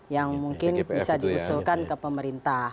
yang mungkin bisa diusulkan ke pemerintah